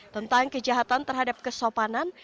tentang kejahatan terhadap kesopanan